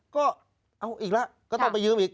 ก็เอาอีกแล้วก็ต้องไปยืมอีก